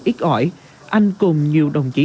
ít ỏi anh cùng nhiều đồng chí